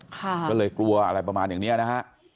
ก็เลยกลัวอะไรประมาณอย่างนี้นะฮะ